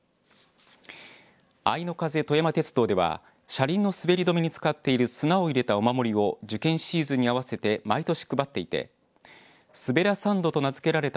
あいの風とやま鉄道では車輪の滑り止めに使っている砂を入れたお守りを受験シーズンに合わせて毎年配っていてすべらサンドと名付けられた